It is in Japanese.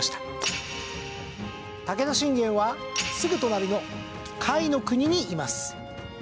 武田信玄はすぐ隣の甲斐国にいます。